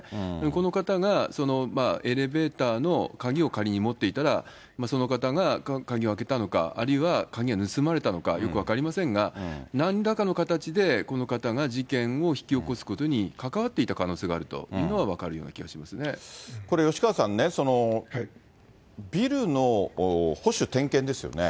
この方がエレベーターの鍵を仮に持っていたら、その方が鍵を開けたのか、あるいは鍵が盗まれたのか、よく分かりませんが、なんらかの形で、この方が事件を引き起こすことに関わっていた可能性があるというこれ、吉川さんね、ビルの保守点検ですよね。